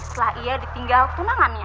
setelah dia ditinggal ke tunangannya